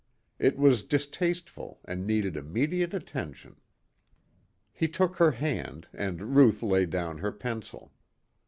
It was distasteful and needed immediate attention. He took her hand and Ruth laid down her pencil.